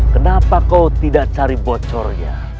kenapa kau tidak cari bocornya